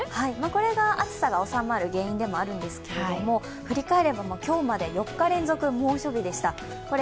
これが暑さが収まる原因でもあるんですけれども、振り返れば今日まで４日連続、猛暑日でした。